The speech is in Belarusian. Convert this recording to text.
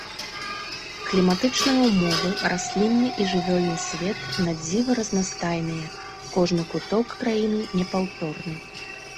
Кліматычныя ўмовы, раслінны і жывёльны свет надзіва разнастайныя, кожны куток краіны непаўторны.